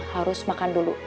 harus makan dulu